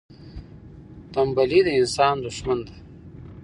تنبلي د انسان دښمن ده.